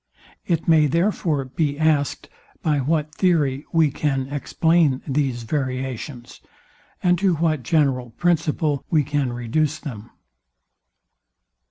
It may, therefore, be asked, by what theory we can explain these variations, and to what general principle we can reduce them.